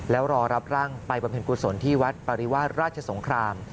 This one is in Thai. แล้วรอรับร่างไปบำเพ็ญกุศลที่วัดปริวาสราชสงคราม